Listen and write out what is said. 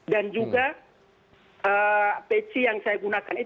dan juga pc yang saya gunakan